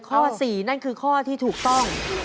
ข้อ๔นั่นคือข้อที่ถูกต้อง